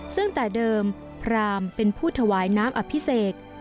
ซึ่งแต่เดิมพรามเป็นผู้ถวายน้ำอภิเษก